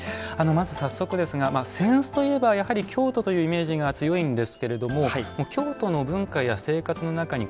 まず早速ですが扇子といえば、京都というイメージが強いんですが京都の文化や生活の中に